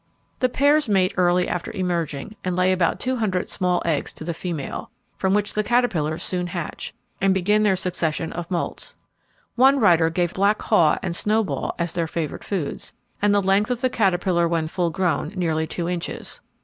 The pairs mate early after emerging, and lay about two hundred small eggs to the female, from which the caterpillars soon hatch, and begin their succession of moults. One writer gave black haw and snowball as their favourite foods, and the length of the caterpillar when full grown nearly two inches.